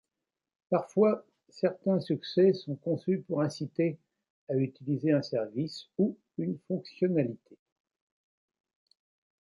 Parfois, certains succès sont conçus pour inciter à utiliser un service ou une fonctionnalité.